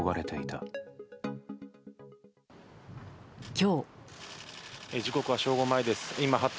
今日。